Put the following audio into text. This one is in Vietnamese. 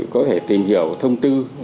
có thể tìm hiểu thông tư